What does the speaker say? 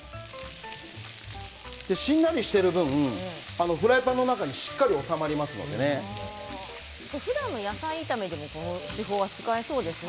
しんなりしている分フライパンの中でしっかりとふだんの野菜炒めでも使えそうですね。